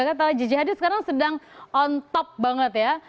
gigi hadid sekarang sedang on top banget ya